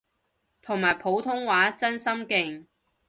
同埋普通話真心勁